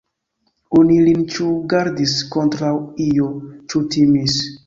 Oni lin ĉu gardis kontraŭ io, ĉu timis.